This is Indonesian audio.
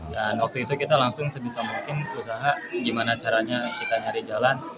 dan waktu itu kita langsung sebisa mengakin berusaha gimana caranya kita nyari jalan